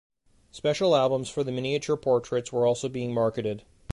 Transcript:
Special albums for the miniature portraits were also being marketed.